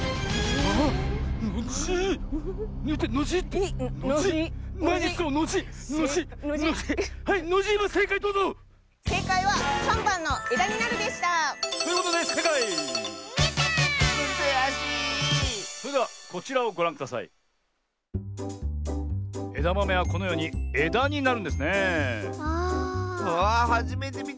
ああはじめてみたッス！